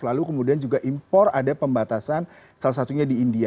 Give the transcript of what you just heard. lalu kemudian juga impor ada pembatasan salah satunya di india